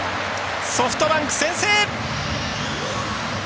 ソフトバンク、先制！